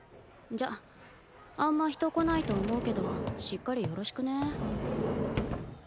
じゃあんま人来ないと思うけどしっかりよろしくね。